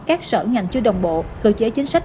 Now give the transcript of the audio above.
các sở ngành chưa đồng bộ cơ chế chính sách